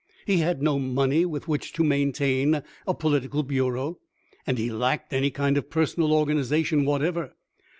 He had no money with which to maintain a political bureau, and he lacked any kind of personal organization whatever.